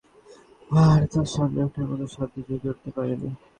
আর তা সামলে ওঠার মতো সাধ্য জুগিয়ে উঠতে পারিনি।